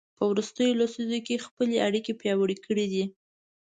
په وروستیو لسیزو کې یې خپلې اړیکې پیاوړې کړي دي.